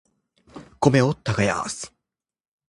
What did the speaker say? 米を耕す